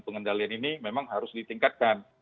pengendalian ini memang harus ditingkatkan